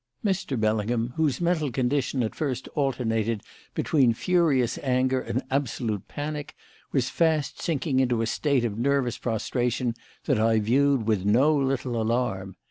Mr. Bellingham, whose mental condition at first alternated between furious anger and absolute panic, was fast sinking into a state of nervous prostration that I viewed with no little alarm.